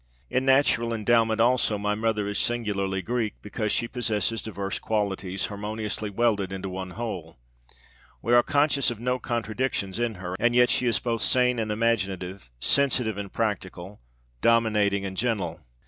In natural endowment, also, my mother is singularly Greek, because she possesses diverse qualities harmoniously welded into one whole. We are conscious of no contradictions in her, and yet she is both sane and imaginative, sensitive and practical, dominating and gentle.